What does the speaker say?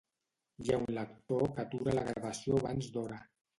Hi ha un lector que atura la gravació abans d'hora